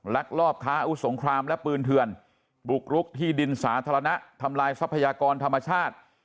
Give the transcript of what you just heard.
ลักลอบค้าอาวุธสงครามและปืนเถื่อนบุกรุกที่ดินสาธารณะทำลายทรัพยากรธรรมชาติ